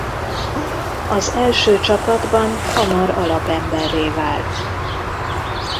Az első csapatban hamar alapemberré vált.